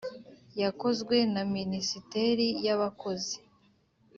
yakozwe na minisiteri y’abakozi